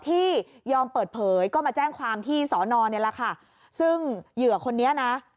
ที่ยอมเปิดเผยก็มาแจ้งความที่สอนอเนี่ยแหละค่ะซึ่งเหยื่อคนนี้นะ